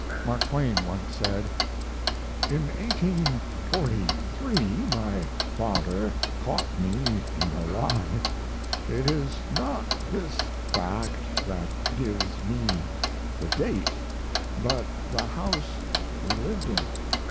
Mark Twain once said: "In 1843 my father caught me in a lie. It is not this fact that gives me the date, but the house we lived in.